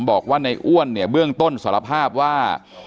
บอกว่าในอ้วนเนี่ยเบื้องต้นสารภาพว่า